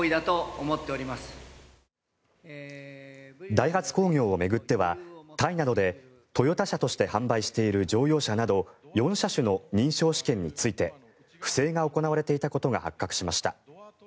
ダイハツ工業を巡ってはタイなどでトヨタ車として販売している乗用車など４車種の認証試験について不正が行われていたことが発覚しました。